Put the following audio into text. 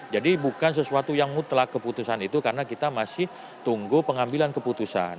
jadi bukan sesuatu yang mutlak keputusan itu karena kita masih tunggu pengambilan keputusan